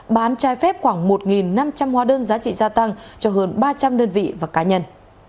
bán trái phép khoảng một năm trăm linh hóa đơn giá trị gia tăng cho hơn ba trăm linh đơn vị và cá nhân